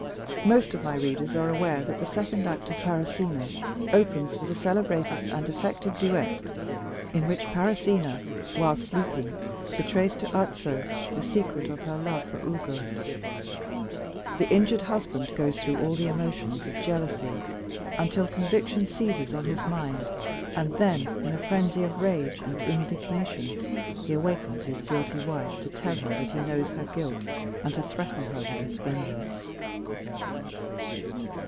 Most of my readers are aware that the second act of Parisina opens with the celebrated and effective duet in which Parisina, while sleeping, betrays to Azzo the secret of her love for Ugo. The injured husband goes through all the emotions of jealousy, until conviction seizes on his mind, and then, in a frenzy of rage and indignation, he awakens his guilty wife to tell her that he knows her guilt and to threaten her with his vengeance.